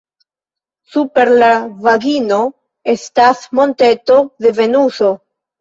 Super la vagino estas monteto de Venuso.